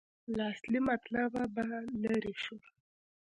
له اصلي مطلبه به لرې شو.